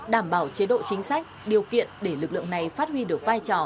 đảm bảo chế độ chính sách điều kiện để lực lượng này phát huy được vai trò